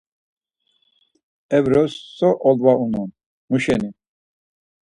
Evros so olva unon, muşeni?